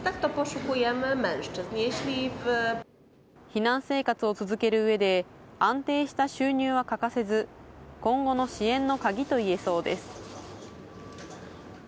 避難生活を続けるうえで、安定した収入は欠かせず、今後の支援の鍵といえそうです。